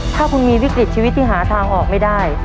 ถ้าคุณมีวิกฤตชีวิตที่หาทางออกไม่ได้